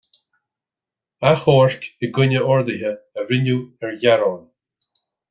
Achomhairc i gcoinne orduithe a rinneadh ar ghearán.